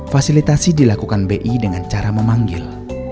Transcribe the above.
fasilitasi dilakukan bi dengan cara memanggil